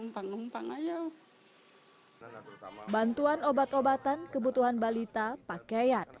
bantuan obat obatan kebutuhan balita pakaian